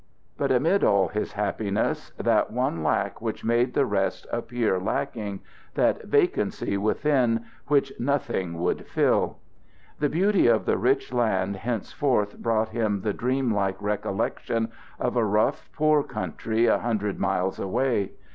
But amid all his happiness, that one lack which made the rest appear lacking that vacancy within which nothing would fill! The beauty of the rich land hence forth brought him the dream like recollection of a rough, poor country a hundred miles away.